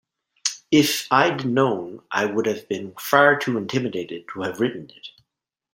If I'd known, I would have been far too intimidated to have written it.